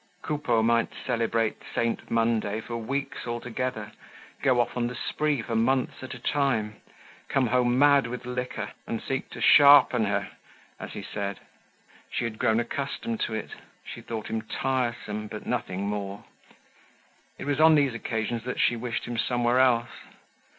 Coupeau might celebrate Saint Monday for weeks altogether, go off on the spree for months at a time, come home mad with liquor, and seek to sharpen her as he said, she had grown accustomed to it, she thought him tiresome, but nothing more. It was on these occasions that she wished him somewhere else.